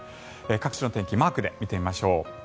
各地の天気マークで見ていきましょう。